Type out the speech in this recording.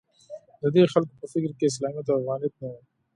د دې خلکو په فکر کې اسلامیت او افغانیت نه و